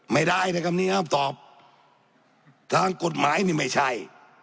ไม่ได้นะครับนี่ห้ามตอบทางกฎหมายนี่ไม่ใช่